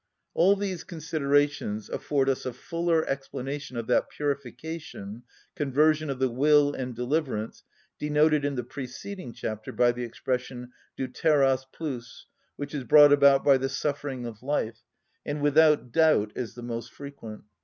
All these considerations afford us a fuller explanation of that purification, conversion of the will and deliverance, denoted in the preceding chapter by the expression δευτερος πλους which is brought about by the suffering of life, and without doubt is the most frequent.